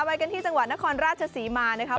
ไปกันที่จังหวัดนครราชศรีมานะคะ